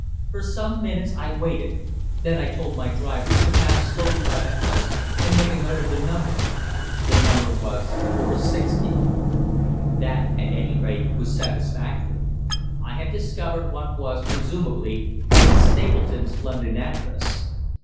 For some minutes I waited. Then I told my driver to pass slowly by the house and make a note of the number. The number was "460." That, at any rate, was satisfactory. I had discovered what was, presumably, Mrs. Stapleton's London address.